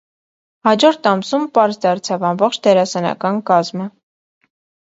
Հաջորդ ամսում պարզ դարձավ ամբողջ դերասանական կազմը։